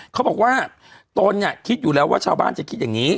เขาบอกว่าตนคิดอยู่แล้วว่าชาวบ้านจะคิดอย่างนี้